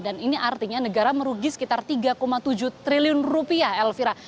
dan ini artinya negara merugi sekitar tiga tujuh triliun rupiah elvira